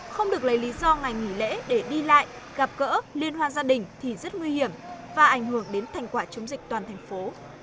không được lấy lý do ngày nghỉ lễ để đi lại gặp gỡ liên hoan gia đình thì rất nguy hiểm và ảnh hưởng đến thành quả chống dịch toàn thành phố